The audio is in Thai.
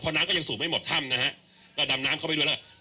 น้ำก็ยังสูบไม่หมดถ้ำนะฮะก็ดำน้ำเข้าไปด้วยแล้ว